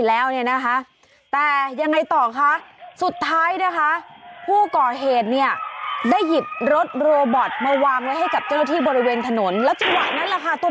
เธอวิ่งออกมานิดเดียวเธอล้ม